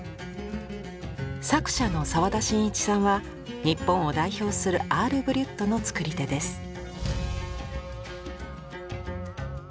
作者の澤田真一さんは日本を代表するアール・ブリュットの作り手です。